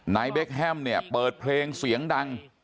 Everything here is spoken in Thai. นายเบคแฮมเปิดเพลงเสียงดัง